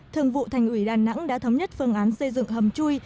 thường vụ thành ủy đà nẵng đã thống nhất phương án xây dựng hầm chui